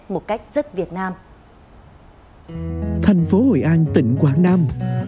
một cách rất việt nam